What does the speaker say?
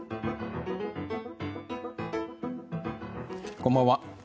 こんばんは。